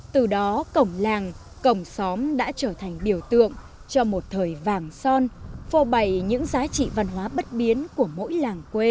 từ đó cổng làng cổng xóm đã trở thành biểu tượng cho một thời vàng son phô bầy những giá trị văn hóa bất biến của mỗi làng quê